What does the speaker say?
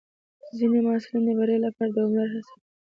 ځینې محصلین د بریا لپاره دوامداره هڅه کوي.